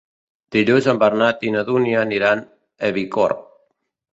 Dilluns en Bernat i na Dúnia aniran a Bicorb.